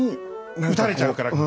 打たれちゃうから。